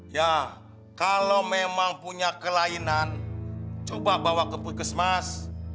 ya kalau memang punya kelainan coba bawa ke puskesmas